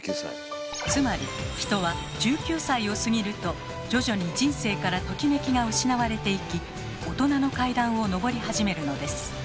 つまり人は１９歳を過ぎると徐々に人生からトキメキが失われていき大人の階段を上り始めるのです。